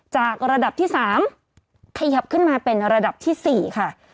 จากระดับที่๓ขยับขึ้นมาเป็นระดับที่๔ค่ะ